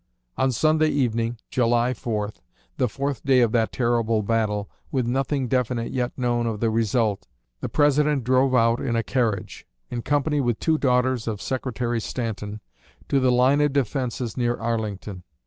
On Sunday evening, July 4, the fourth day of that terrible battle, with nothing definite yet known of the result, the President drove out in a carriage, in company with two daughters of Secretary Stanton, to the line of defenses near Arlington.